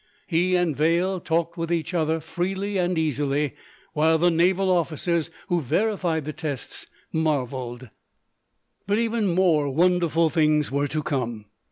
He and Vail talked with each other freely and easily, while the naval officers who verified the tests marveled. But even more wonderful things were to come.